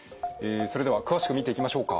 それでは詳しく見ていきましょうか。